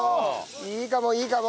いいかもいいかも！